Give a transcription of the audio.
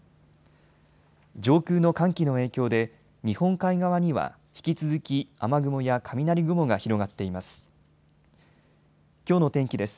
上空の寒気の影響で日本海側には引き続き、雨雲や雷雲が広がっています。